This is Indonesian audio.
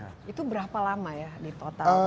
jadi ini berapa lama ya di total